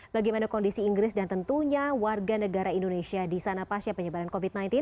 bagaimana kondisi inggris dan tentunya warga negara indonesia di sana pasca penyebaran covid sembilan belas